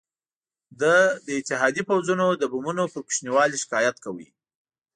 ده د اتحادي پوځونو د بمونو پر کوچني والي شکایت کاوه.